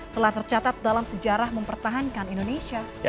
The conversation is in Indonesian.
telah tercatat dalam sejarah mempertahankan indonesia